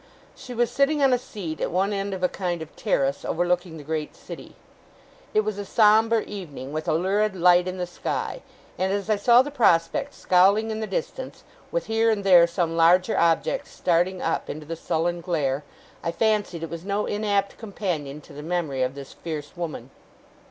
She was sitting on a seat at one end of a kind of terrace, overlooking the great city. It was a sombre evening, with a lurid light in the sky; and as I saw the prospect scowling in the distance, with here and there some larger object starting up into the sullen glare, I fancied it was no inapt companion to the memory of this fierce woman.